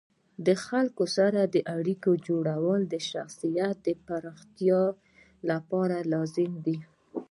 د خلکو سره د اړیکو جوړول د شخصیت د پراختیا لپاره لازمي دي.